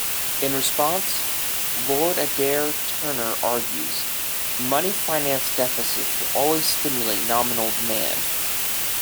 In response, Lord Adair Turner argues: Money financed deficits will always stimulate nominal demand.